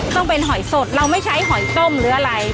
ต้องเป็นหอยสดเราไม่ใช้หอยต้มหรืออะไร